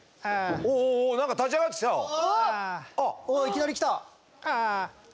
おおいきなりきた。